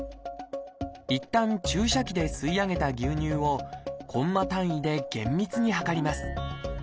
いったん注射器で吸い上げた牛乳をコンマ単位で厳密に量ります。